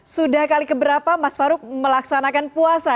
sudah kali keberapa mas farouk melaksanakan puasa